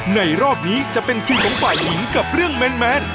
รอบนี้จะเป็นทีมของฝ่ายหญิงกับเรื่องแมน